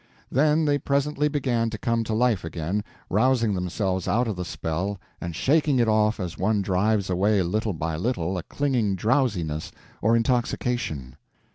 Then they presently began to come to life again, rousing themselves out of the spell and shaking it off as one drives away little by little a clinging drowsiness or intoxication.